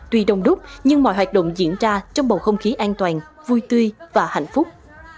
tuy đông đúc nhưng mọi hoạt động diễn ra trong bầu không khí an toàn vui tươi và hạnh phúc